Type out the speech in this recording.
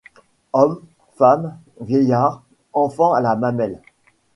Homme, femme, vieillard, enfant à la mamelle